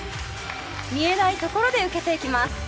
見えないところで受けていきます。